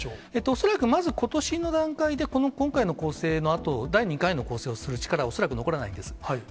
恐らく、まず、ことしの段階で、この今回の攻勢のあと、第２回の攻勢をする力、恐らく残らないんです。